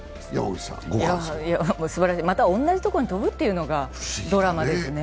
すばらしい、また同じところに飛ぶというのが。